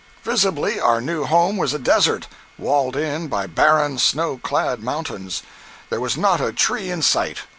Visibly our new home was a desert, walled in by barren, snow clad mountains. There was not a tree in sight.